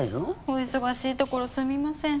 お忙しいところすみません。